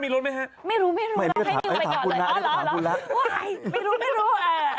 ปีนหน้ามีรถไหมฮะไม่รู้เราให้นิวไปก่อนเลยอ๋อเหรอว่าไงไม่รู้ไม่รู้